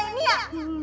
ini ibu punya aku